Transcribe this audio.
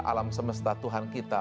alam semesta tuhan kita